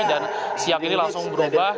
dan siang ini langsung berubah